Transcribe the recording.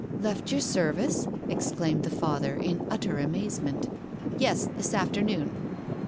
"Left your service!" exclaimed the Father in utter amazement. "Yes, this afternoon."